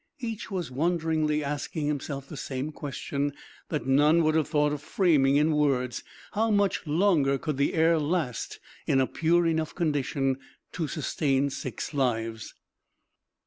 Each was wonderingly asking himself the same question that none would have thought of framing in words. How much longer could the air last in a pure enough condition to sustain six lives?